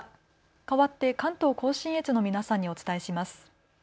かわって関東甲信越の皆さんにお伝えします。